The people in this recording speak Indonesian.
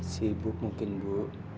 sibuk mungkin bu